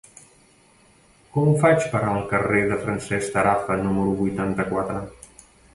Com ho faig per anar al carrer de Francesc Tarafa número vuitanta-quatre?